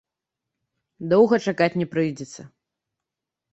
Доўга чакаць не прыйдзецца.